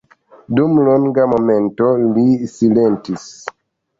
Dum longa momento li silentis.